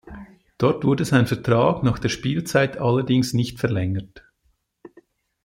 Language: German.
Dort wurde sein Vertrag nach der Spielzeit allerdings nicht verlängert.